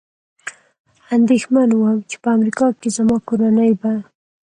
اندېښمن ووم، چې په امریکا کې زما کورنۍ به.